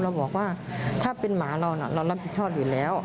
บอกว่าถ้าเป็นหมาเราเรารับผิดชอบอยู่แล้ว